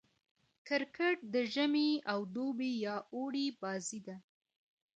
کرکټ د ژمي او دوبي يا اوړي بازي ده.